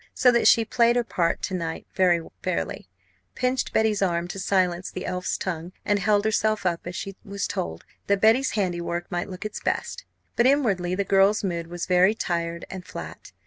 So that she played her part to night very fairly; pinched Betty's arm to silence the elf's tongue; and held herself up as she was told, that Betty's handiwork might look its best. But inwardly the girl's mood was very tired and flat.